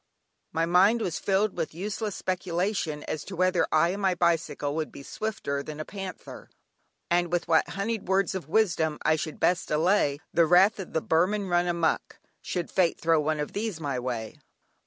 My mind was filled with useless speculation as to whether I and my bicycle would be swifter than a panther, and with what "honeyed words of wisdom" I should best allay the wrath of the "Burman run amuck," should fate throw one of these in my way.